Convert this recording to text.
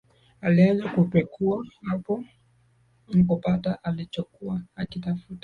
Alianza kupekua hapo na kupata alichokua akitafuta